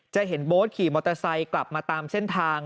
จะเห็นโบ๊ทขี่มอเตอร์ไซค์กลับมาตามเส้นทาง